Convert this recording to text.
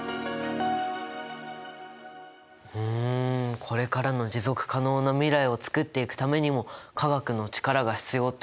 ふんこれからの持続可能な未来をつくっていくためにも化学の力が必要ってことですね。